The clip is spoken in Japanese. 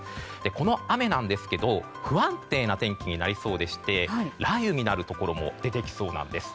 この雨なんですが不安定な天気になりそうでして雷雨になるところも出てきそうなんです。